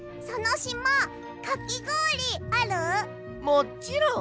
もちろん。